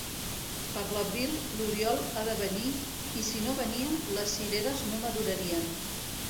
Per l'abril, l'oriol ha de venir, i si no venia, les cireres no madurarien.